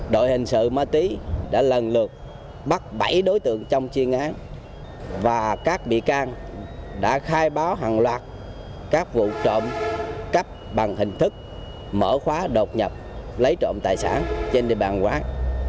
đội hình sự ma tí đã lần lượt bắt bảy đối tượng trong chuyên án và các bị can đã khai báo hàng loạt các vụ trộm cắp bằng hình thức mở khóa đột nhập lấy trộm tài sản trên địa bàn quản